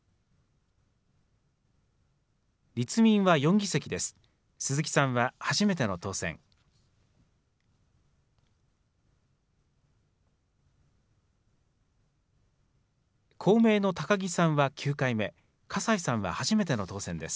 立民は４議席です。